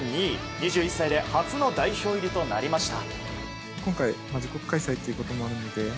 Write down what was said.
２１歳で初の代表入りとなりました。